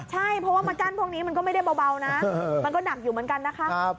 ใช่เพราะว่ามากั้นพวกนี้มันก็ไม่ได้เบานะมันก็หนักอยู่เหมือนกันนะคะ